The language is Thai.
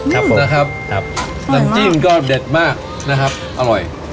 ครับผมนะครับครับน้ำจิ้มก็เด็ดมากนะครับอร่อย